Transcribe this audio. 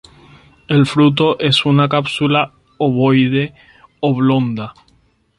El fruto es una cápsula ovoide-oblonga.